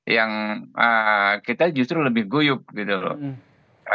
yang kita justru lebih guyup gitu loh